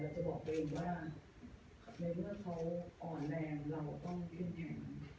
เราจะบอกเองว่าในที่มันเขาอ่อนแรงเราต้องเครื่องแข่ง